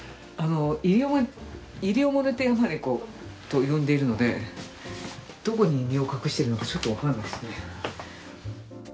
イリオモテヤマネコと呼んでいるのでどこに身を隠しているのかちょっと分からないですね。